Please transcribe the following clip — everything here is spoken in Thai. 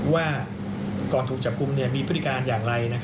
ว่าก่อนถูกจับกลุ่มมีพฤติการอย่างไร